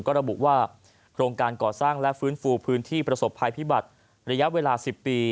ก็ระบุว่าโครงการก่อสร้างและฟื้นฟูพื้นที่ประสบภัยพิบัติระยะเวลา๑๐ปี